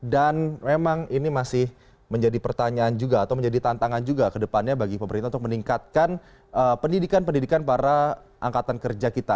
dan memang ini masih menjadi pertanyaan juga atau menjadi tantangan juga ke depannya bagi pemerintah untuk meningkatkan pendidikan pendidikan para angkatan kerja kita